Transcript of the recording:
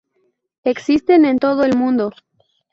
Existen en todo el mundo.